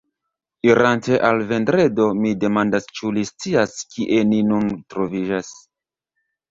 Irante al Vendredo, mi demandas, ĉu li scias, kie ni nun troviĝas.